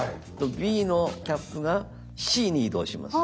ＢのキャップがＣに移動します。